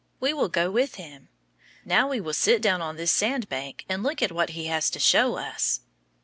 We will go with him. Now we will sit down on this sand bank and look at what he has to show us.